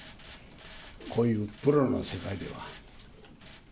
こういうプロの世界では。